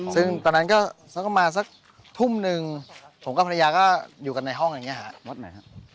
ซึ่งตอนนั้นก็มาสักทุ่มนึงผมกับภรรยาก็อยู่กันอายห้องอย่างนี้ครับ